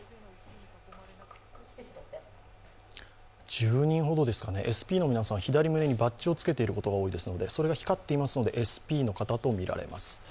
１０人ほどですかね、ＳＰの皆さん、左胸にバッジをつけていることが多いですが、それが光っていますのでＳＰの方と見られます。